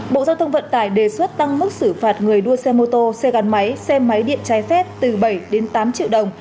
bộ giao thông vận tải đề xuất tăng mức xử phạt người đua xe mô tô xe gắn máy xe máy điện trái phép từ bảy đến tám triệu đồng